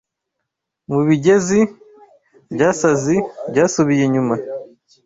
Mubigezi byasazi byasubiye inyuma